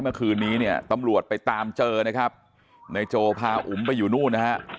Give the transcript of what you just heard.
เมื่อคืนนี้เนี่ยตำรวจไปตามเจอนะครับนายโจพาอุ๋มไปอยู่นู่นนะฮะ